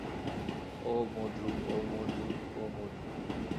ওঁ মধু ওঁ মধু ওঁ মধু।